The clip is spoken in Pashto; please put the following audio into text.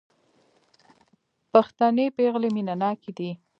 پښتنې پېغلې مينه ناکه دي